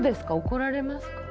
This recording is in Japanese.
怒られますか？